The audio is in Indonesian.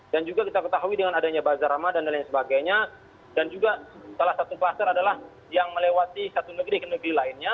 dan juga kita ketahui dengan adanya bazarama dan lain sebagainya dan juga salah satu kluster adalah yang melewati satu negeri ke negeri lainnya